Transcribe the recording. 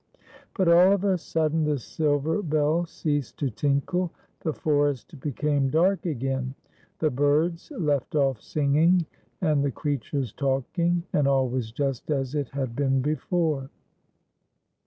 But all of a sudden the silver bell ceased to tinkle, the forest became dark again, the birds left ofT sing ing and the creatures talking, and all was just as it had been before.